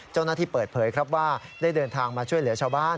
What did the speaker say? เจ้าหน้าที่เปิดเผยครับว่าได้เดินทางมาช่วยเหลือชาวบ้าน